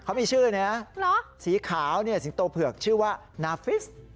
เขามีชื่อเนี่ยสีขาวสิงโตเผือกชื่อว่านาฟิส